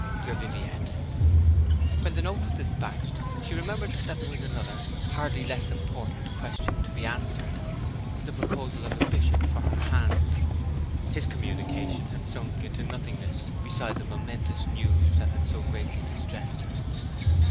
'Your VIVIETTE.' When the note was despatched she remembered that there was another hardly less important question to be answered the proposal of the Bishop for her hand. His communication had sunk into nothingness beside the momentous news that had so greatly distressed her.